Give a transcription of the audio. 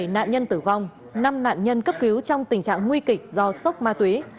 bảy nạn nhân tử vong năm nạn nhân cấp cứu trong tình trạng nguy kịch do sốc ma túy